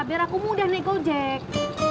biar aku mudah nih kau jack